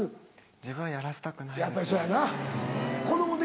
自分はやらせたくないですね。